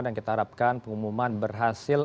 dan kita harapkan pengumuman berhasil